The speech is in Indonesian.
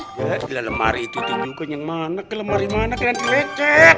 ya di lemari itu tunjukin yang mana ke lemari mana yang dilecek